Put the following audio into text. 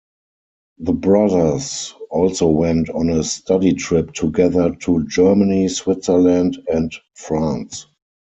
The brothers also went on a study trip together to Germany, Switzerland and France.